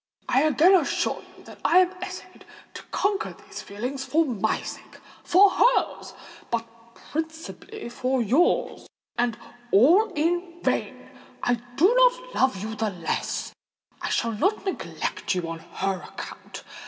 I again assure you that I have essayed to conquer these feelings, for my sake—for hers—but principally for yours,—and all in vain! I do not love you the less—I shall not neglect you on her account.